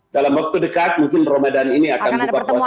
dalam waktu dekat mungkin ramadan ini akan berpuasa bersama